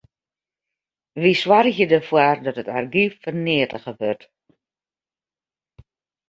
Wy soargje derfoar dat it argyf ferneatige wurdt.